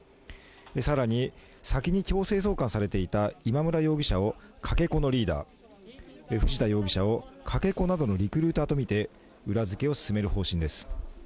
更に先に強制送還されていた今村容疑者をかけ子のリーダー、藤田容疑者をかけ子などのリクルーターとみて裏付けを進める方針です。